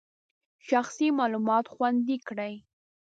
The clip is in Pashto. شخصي معلومات خوندي کړئ.